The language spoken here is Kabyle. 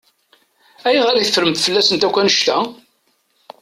Ayɣer i teffremt fell-asent akk annect-a?